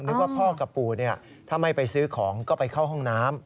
นึกว่าพ่อกับปู่ถ้าไม่ไปซื้อของก็ไปเข้าห้องน้ำ